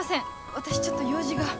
私ちょっと用事が。